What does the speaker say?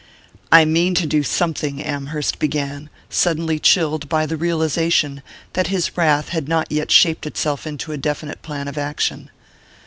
"I mean to do something," Amherst began, suddenly chilled by the realization that his wrath had not yet shaped itself into a definite plan of action.